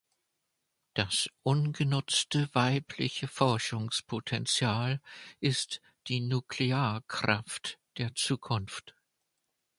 Das ungenutzte weibliche Forschungspotenzial ist die Nuklearkraft der Zukunft.